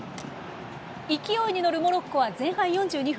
勢いに乗るモロッコは前半４２分。